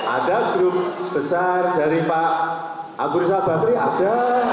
ada grup besar dari pak agur salbateri ada